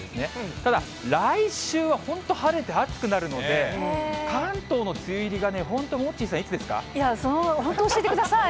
ただ、来週は本当晴れて暑くなるので、関東の梅雨入りがね、本当、本当教えてください。